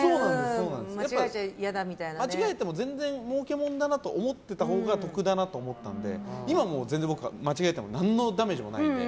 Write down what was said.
間違えても全然もうけものだなと思ってたほうが得だなと思ったので今、僕は間違えても何のダメージもないので。